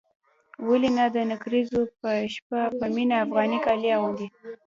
ولې نه د نکريزو په شپه به مينه افغاني کالي اغوندي.